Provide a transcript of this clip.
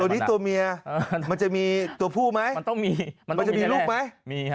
นี้ตัวเมียมันจะมีตัวผู้ไหมมันต้องมีมันจะมีลูกไหมมีฮะ